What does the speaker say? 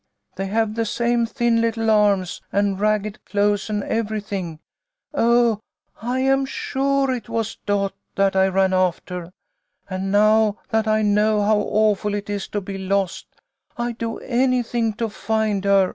" They have the same thin little arms and ragged clothes and everything. Oh, I am sure it was Dot that I ran after, and now that I know how awful it is to be lost, I'd do anything to find her.